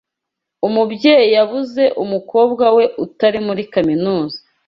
Umubyeyi yabuze umukobwa we utari muri kaminuza.